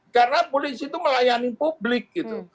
karena polisi itu melayani publik